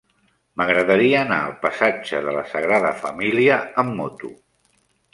M'agradaria anar al passatge de la Sagrada Família amb moto.